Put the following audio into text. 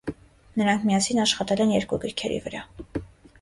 Նրանք միասին աշխատել են երկու գրքերի վրա։